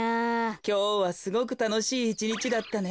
きょうはすごくたのしいいちにちだったね。